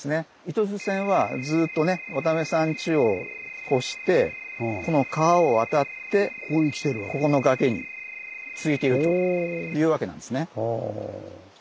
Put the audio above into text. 糸静線はずっとね渡辺さんちを越してこの川を渡ってここの崖に続いているというわけなんですね。